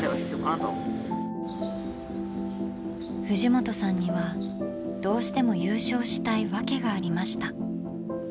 藤本さんにはどうしても優勝したいわけがありました。